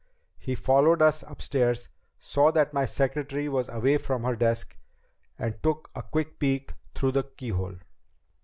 He followed us upstairs, saw that my secretary was away from her desk, and took a quick peek through the keyhole."